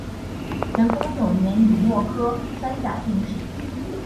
咸丰九年己未科三甲进士。